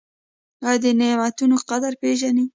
ایا د نعمتونو قدر پیژنئ؟